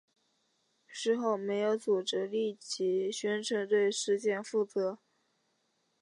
事后没有组织立即宣称对事件负责。